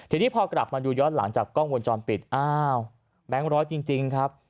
ทีนี้พอกลับมาดูย้อนหลังจากกล้องวงจรปิดอ้าวแบงค์ร้อยจริงครับ